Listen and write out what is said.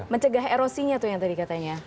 mencegah erosinya tuh yang tadi katanya